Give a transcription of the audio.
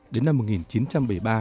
đến năm một nghìn chín trăm bảy mươi ba